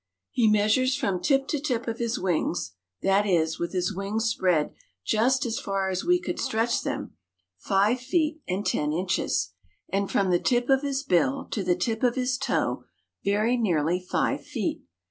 He measures from tip to tip of his wings, that is, with his wings spread just as far as we could stretch them, five feet and ten inches, and from the tip of his bill to the tip of his toe very nearly five feet.